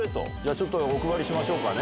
ちょっとお配りしましょうかね。